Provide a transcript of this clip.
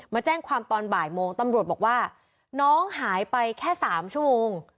มาแจ้งความตอนบ่ายโมงตำรวจบอกว่าน้องหายไปแค่๓ชั่วโมง